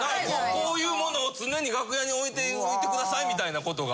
こういうものを常に楽屋に置いておいてくださいみたいなことが。